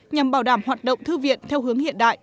nhằm bảo đảm hoạt động thư viện theo hướng hiện đại